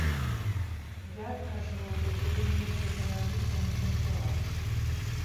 Я, кажу, да цябе ніякіх журналістаў не падсылаў.